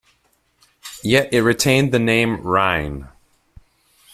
Yet it retained the name "Rhine".